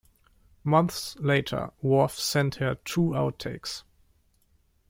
Months later, Whorf sent her two outtakes.